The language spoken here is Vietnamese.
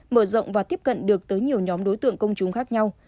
mở rộng và tiếp cận được tới nhiều nhóm đối tượng công chúng khác nhau